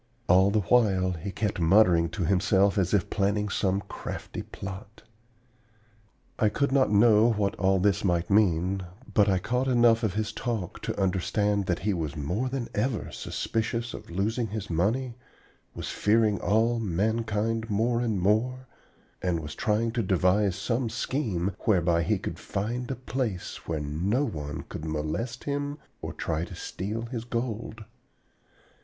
All the while he kept muttering to himself as if planning some crafty plot. I could not know what all this might mean, but I caught enough of his talk to understand that he was more than ever suspicious of losing his money, was fearing all man kind more and more, and was trying to devise some scheme whereby he could find a place where no one could molest him or try to steal his gold.